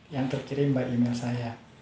yang terkirim bagi email saya